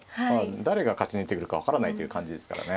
誰が勝ち抜いてくるか分からないという感じですからね。